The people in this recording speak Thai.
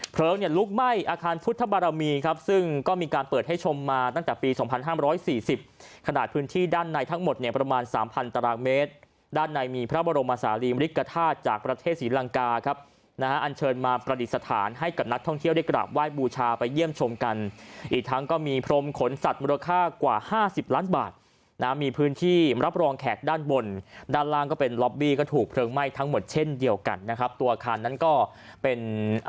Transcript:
ประมาณสามพันตารางเมตรด้านในมีพระบรมศาลีมฤทธาจากประเทศสีลังกาครับนะฮะอันเชิญมาประดิษฐานให้กับนักท่องเที่ยวได้กลับไหว้บูชาไปเยี่ยมชมกันอีกทั้งก็มีพรมขนสัตว์มูลค่ากว่าห้าสิบล้านบาทนะมีพื้นที่รับรองแขกด้านบนด้านล่างก็เป็นล็อบบี้ก็ถูกเพลิงไหม้ทั้งหมดเช่น